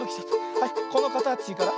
はいこのかたちから。